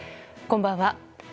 こんばんは。